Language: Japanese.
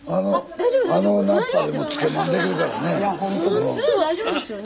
大丈夫ですよね？